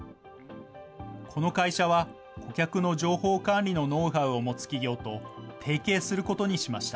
この会社は、顧客の情報管理のノウハウを持つ企業と提携することにしました。